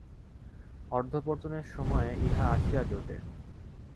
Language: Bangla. অধঃপতনের সময়ে ইহা আসিয়া জোটে।